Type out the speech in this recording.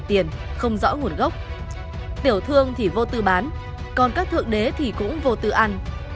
tiền không rõ nguồn gốc tiểu thương thì vô tư bán còn các thượng đế thì cũng vô tư ăn